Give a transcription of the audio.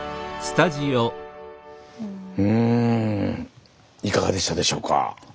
うんいかがでしたでしょうか？